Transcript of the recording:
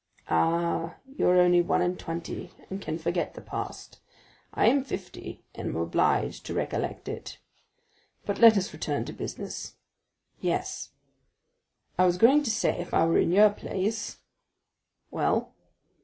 "Ah, you are only one and twenty, and can forget the past; I am fifty, and am obliged to recollect it. But let us return to business." "Yes." "I was going to say, if I were in your place——" "Well."